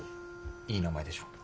いい名前でしょ？